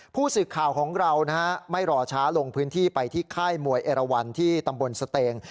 ผู้สื่อข่าวของเราไม่รอช้าลงพื้นที่ไปที่ค่ายมวยเอราวันที่ตำบลสเตง